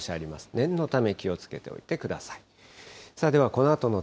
念のため気をつけておいてください。